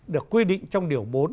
được quy định trong điều bốn